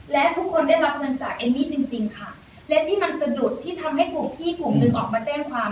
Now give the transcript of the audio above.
และทุกคนได้รับเงินจากเอมมี่จริงจริงค่ะและที่มันสะดุดที่ทำให้กลุ่มพี่กลุ่มหนึ่งออกมาแจ้งความ